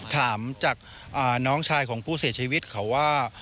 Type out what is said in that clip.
ถามจากน้องชายของผู้เสียชีวิตเขาว่า